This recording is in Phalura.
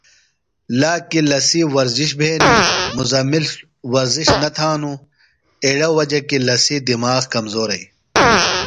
لاکی لسی ورزِش بھینیۡ۔ مزمل ورزش نہ تھانوۡ، ایڑوۡ وجہ کی لسی دِماغ کمزورئی۔